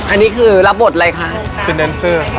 อ่านี่คือรับบทอะไรคะคุณเป็นครับเน็๊นเซอร์ค่ะ